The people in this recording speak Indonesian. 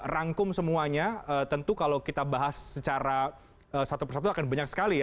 rangkum semuanya tentu kalau kita bahas secara satu persatu akan banyak sekali ya